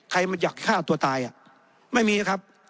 ใครมันอยากฆ่าตัวตายไม่มีครับ